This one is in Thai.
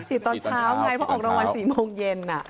ตอนเช้าไงเพราะออกรางวัล๔โมงเย็น